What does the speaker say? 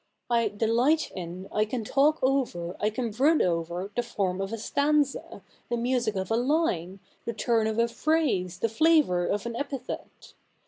I delight in, I can talk over, I can brood over, the form of a stanza, the music of a line, the turn of a phrase, the flavour of an epithet.